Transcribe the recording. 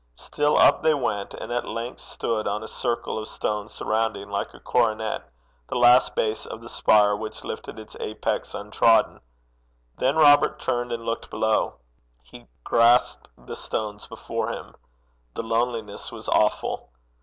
Still up they went, and at length stood on a circle of stone surrounding like a coronet the last base of the spire which lifted its apex untrodden. Then Robert turned and looked below. He grasped the stones before him. The loneliness was awful.